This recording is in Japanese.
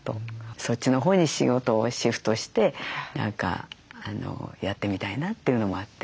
そっちのほうに仕事をシフトして何かやってみたいなというのもあって。